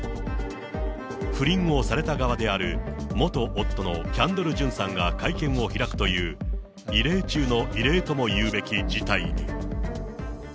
不倫をされた側である元夫のキャンドル・ジュンさんが会見を開くという異例中の異例ともいうべき事態に。